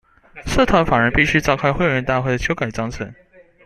社團法人必須召開會員大會修改章程